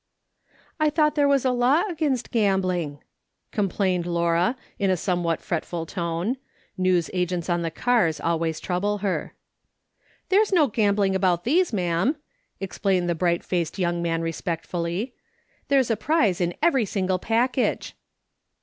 " I thought there was a law against gambling," complained Laura, in a somewhat fretful tone ; news agents on the cars always trouble her. " There's no gambling about tliese, ma'am," ex plained the bright faced young man respectfully ;" there's a prize in every single package."